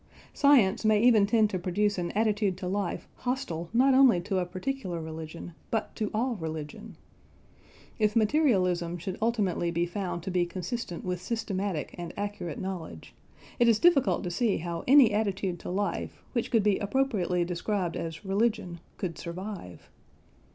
Science may even tend to produce an attitude to life hostile not only to a particular religion but to all religion. If materialism should ultimately be found to be consistent with systematic and accurate knowledge, it is difficult to see how any attitude to life which could be appropriately described as "religion" could survive.